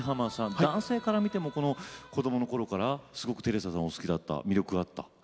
男性から見ても子どものころからテレサさんお好きだった魅力があった。